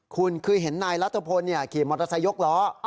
คุณคือเห็นนายรัฐพลขี่มอเตอร์ไซคกล้อ